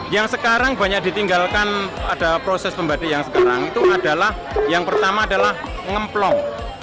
yang sekarang banyak ditinggalkan ada proses pembatik yang sekarang itu adalah yang pertama adalah ngeplong